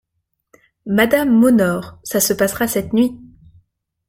Madame m’honore… ça se passera cette nuit…